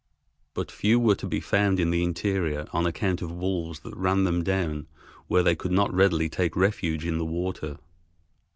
But few were to be found in the interior on account of wolves that ran them down where they could not readily take refuge in the water.